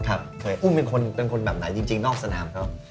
อุ้มเป็นคนแบบไหนจริงนอกสนามเขา